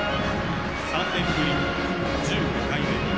３年ぶり１５回目。